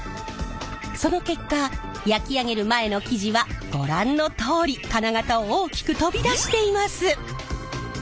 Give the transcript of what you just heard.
その結果焼き上げる前の生地はご覧のとおり金型を大きく飛び出しています！